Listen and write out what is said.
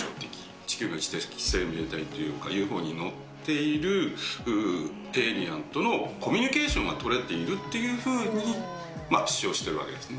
地球外知的生命体というか、ＵＦＯに乗っているエイリアンとのコミュニケーションが取れているというふうに主張しているわけですね。